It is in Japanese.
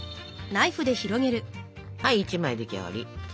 はい１枚出来上がり。